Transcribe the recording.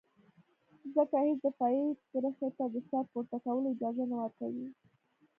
ځکه هېڅ دفاعي کرښې ته د سر پورته کولو اجازه نه ورکوي.